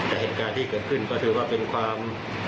แต่เหตุการณ์ที่เกิดขึ้นก็ถือว่าเป็นความ